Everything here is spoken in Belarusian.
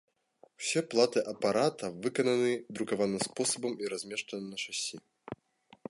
Усе платы апарата выкананы друкаваным спосабам і размешчаны на шасі.